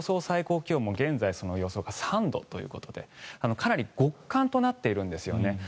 最高気温も現在、その予想が３度ということでかなり極寒となっているんですね。